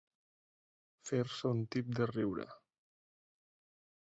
Fer-se un tip de riure.